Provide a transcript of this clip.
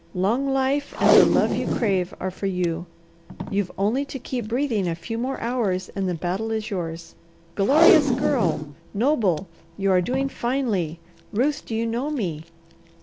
Long life and the love you crave are for you. You've only to keep breathing a few more hours and the battle is yours. Glorious Girl! Noble! You are doing finely! Ruth, do you know me?"